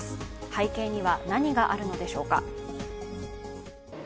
背景には何があるのでしょうか。